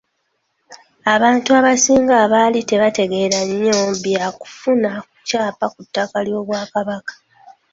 Abantu abasinga baali tebategeera nnyo bya kufuna kyapa ku ttaka ly’Obwakabaka.